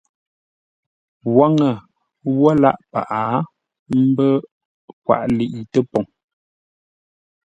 Waŋə wə́ lâʼ paghʼə, ə́ mbə́ kwaʼ ləiʼi tə́poŋ.